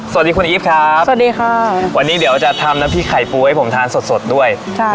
สวัสดีคุณอีฟครับสวัสดีค่ะวันนี้เดี๋ยวจะทำน้ำพริกไข่ปูให้ผมทานสดสดด้วย